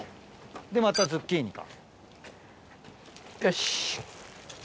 でまたズッキーニか。